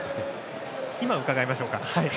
今、伺いましょうか。